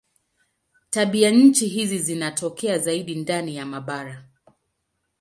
Tabianchi hizi zinatokea zaidi ndani ya mabara.